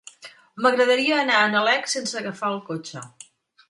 M'agradaria anar a Nalec sense agafar el cotxe.